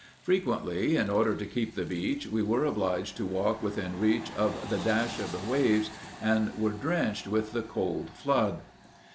Frequently, in order to keep the beach, we were obliged to walk within reach of the dash of the waves, and were drenched with the cold flood.